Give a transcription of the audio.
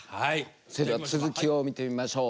それでは続きを見てみましょう。